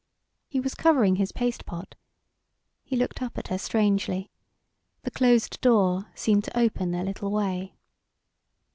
He was covering his paste pot. He looked up at her strangely. The closed door seemed to open a little way.